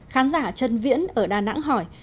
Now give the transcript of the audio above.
khán giả trần viễn ở đà nẵng hỏi